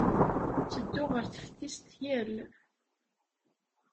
Ttedduɣ ɣer teftist yal.